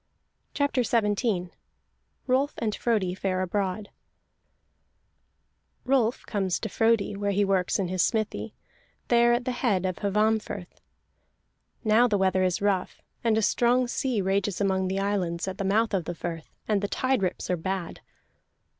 CHAPTER XVII ROLF AND FRODI FARE ABROAD Rolf comes to Frodi where he works in his smithy, there at the head of Hvammfirth. Now the weather is rough, and a strong sea rages among the islands at the mouth of the firth, and the tide rips are bad.